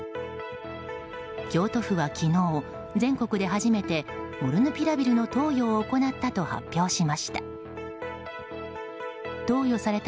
京都府は昨日全国で初めてモルヌピラビルの投与を行ったと発表しました。